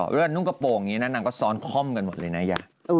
เวลานุ่งกระโปรงนี้นะนางก็ซ้อนคล่อมกันหมดเลยนะ